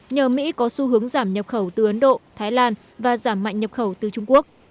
nhờ mỹ có xu hướng giảm nhập khẩu từ ấn độ thái lan và giảm mạnh nhập khẩu từ trung quốc